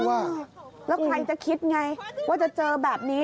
แล้วใครจะคิดไงว่าจะเจอแบบนี้